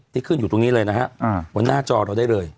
ที่ขึ้นอยู่ตรงนี้เลยนะฮะบนหน้าจอเราได้เลย